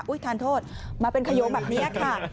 ทานโทษมาเป็นขยงแบบนี้ค่ะ